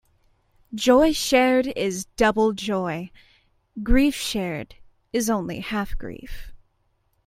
Joy shared is double joy; grief shared is only half grief.